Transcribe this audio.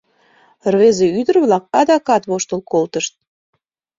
Рвезе-ӱдыр-влак адакат воштыл колтышт.